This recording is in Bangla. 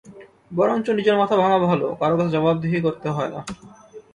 বরঞ্চ নিজের মাথা ভাঙা ভালো, কারও কাছে জবাবদিহি করতে হয় না।